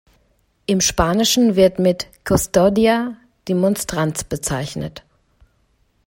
Im Spanischen wird mit "custodia" die Monstranz bezeichnet.